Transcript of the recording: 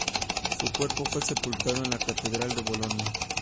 Su cuerpo fue sepultado en la Catedral de Bolonia.